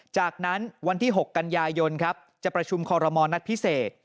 จากนั้นวันที่๖กัญญายนจะประชุมคอรมอนัฐพิเศษ